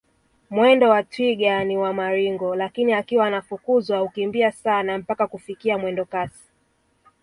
Mwendo wa twiga ni wa maringo lakini akiwa anafukuzwa hukimbia sana mpaka kufikia mwendokasi